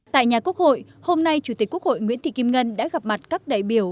tại nhà quốc hội hôm nay chủ tịch quốc hội nguyễn thị kim ngân đã gặp mặt các đại biểu